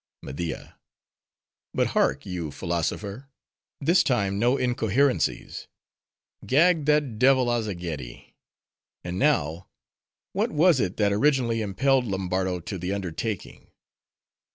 MEDIA—But hark you, philosopher! this time no incoherencies; gag that devil, Azzageddi. And now, what was it that originally impelled Lombardo to the undertaking?